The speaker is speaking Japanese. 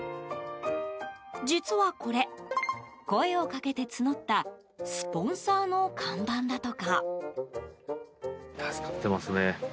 実はこれ、声をかけて募ったスポンサーの看板だとか。